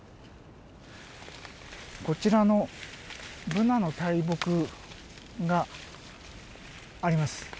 こちらのブナの大木があります。